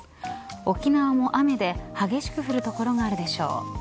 沖縄も雨で激しく降る所があるでしょう。